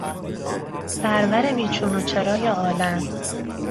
سرور بیچون و چرای عالم